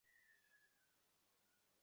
আমরা কিছু আনতে যাচ্ছি - ঠিক আছে?